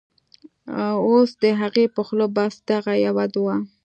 اوس د هغې په خوله بس، دغه یوه دعاوه